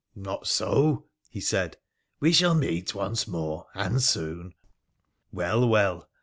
' Not so,' he said :' we shall meet once more, and soon.' • Well ! well